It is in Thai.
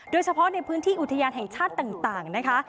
โดยเฉพาะในพื้นที่อุทยานแห่งชาติต่างนะคะ